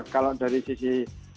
kalau dari sisi